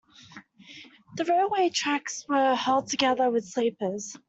The railway tracks were held together with sleepers